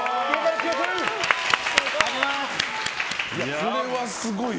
これはすごいよ。